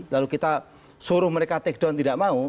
lalu kita suruh mereka take down tidak mau